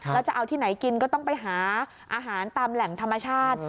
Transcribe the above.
แล้วจะเอาที่ไหนกินก็ต้องไปหาอาหารตามแหล่งธรรมชาติ